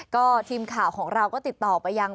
ก็ทีมข่าวของเราก็ติดต่อไปยัง